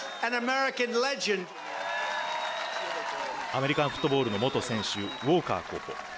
アメリカンフットボールの元選手、ウォーカー候補。